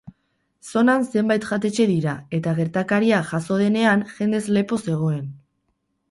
Zonan zenbait jatetxe dira eta gertakaria jazo denean jendez lepo zegoen.